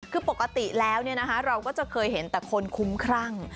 คือปกติแล้วเราก็จะเคยเห็นแต่คนคุ้มครั่ง